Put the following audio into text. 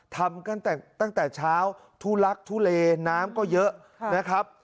ทำกันตั้งแต่เช้าทุลักทุเลน้ำก็เยอะนะครับ